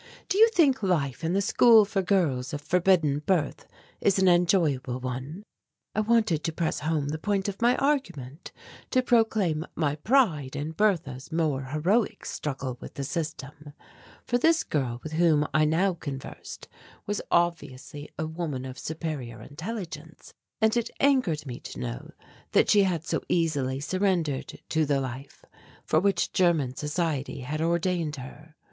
Do you think life in the school for girls of forbidden birth is an enjoyable one?" I wanted to press home the point of my argument, to proclaim my pride in Bertha's more heroic struggle with the system, for this girl with whom I now conversed was obviously a woman of superior intelligence, and it angered me to know that she had so easily surrendered to the life for which German society had ordained her.